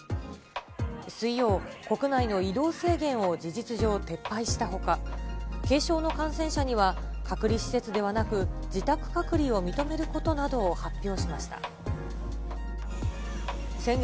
水曜、国内の移動制限を事実上撤廃したほか、軽症の感染者には、隔離施設ではなく、自宅隔離を認めることなどを発表しました。